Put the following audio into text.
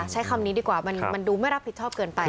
ใช้คำนี้ดีกว่ามันดูไม่รับผิดชอบเกินไป